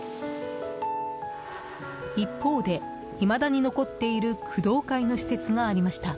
一方で、いまだに残っている工藤会の施設がありました。